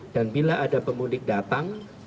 dan bila ada pemudik datang